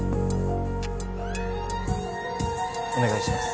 お願いします